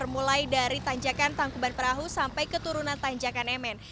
mulai dari tanjakan tangkuban perahu sampai keturunan tanjakan mn